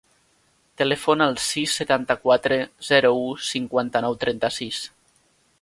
Telefona al sis, setanta-quatre, zero, u, cinquanta-nou, trenta-sis.